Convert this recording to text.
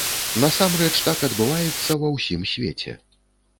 Насамрэч, так адбываецца ва ўсім свеце.